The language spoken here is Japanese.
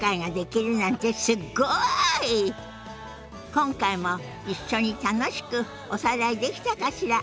今回も一緒に楽しくおさらいできたかしら？